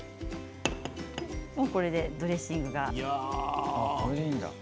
もうこれでドレッシングが。